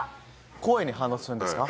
声に反応するんですか？